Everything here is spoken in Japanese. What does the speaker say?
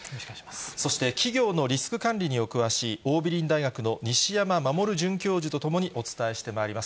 そして企業のリスク管理にお詳しい桜美林大学の西山守准教授と共にお伝えしてまいります。